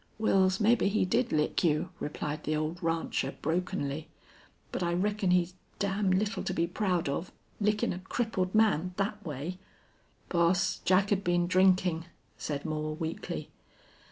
"Wils, mebbe he did lick you," replied the old rancher, brokenly, "but I reckon he's damn little to be proud of lickin' a crippled man thet way." "Boss, Jack'd been drinking," said Moore, weakly.